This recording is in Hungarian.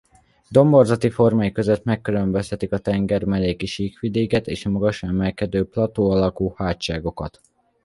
Domborzati formái között megkülönböztetik a tengermelléki sík vidéket és a magasra emelkedő platóalakú hátságokat.